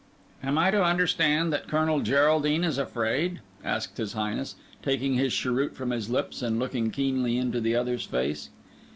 "Am I to understand that Colonel Geraldine is afraid?" asked his Highness, taking his cheroot from his lips, and looking keenly into the other's face.